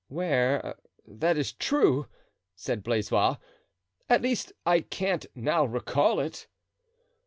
"Where, that is true," said Blaisois; "at least, I can't now recall it."